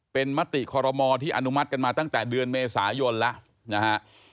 เป็นมติคอรมอที่อนุมัติกันมาตั้งแต่เดือนเมษายนแล้วนะฮะ